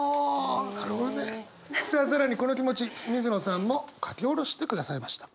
更にこの気持ち水野さんも書き下ろしてくださいました。